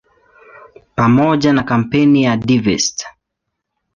Pamoja na kampeni ya "Divest!